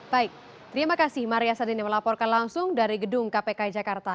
baik terima kasih maria sarin yang melaporkan langsung dari gedung kpk jakarta